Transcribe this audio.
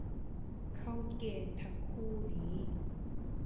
เข้าเกณฑ์ทั้งคู่นี้